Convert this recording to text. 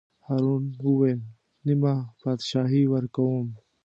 هارون وویل: نیمه بادشاهي ورکووم.